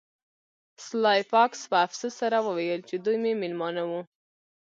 سلای فاکس په افسوس سره وویل چې دوی مې میلمانه وو